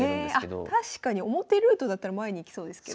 あっ確かに表ルートだったら前に行きそうですけど。